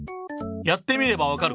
やってみればわかる。